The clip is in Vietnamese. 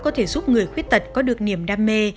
có thể giúp người khuyết tật có được niềm đam mê